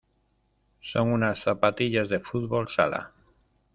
Son unas zapatillas de fútbol sala.